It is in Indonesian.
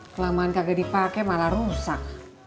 kelamaan kagak dipakai malah rusak